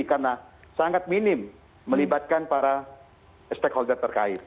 karena sangat minim melibatkan para stakeholder terkait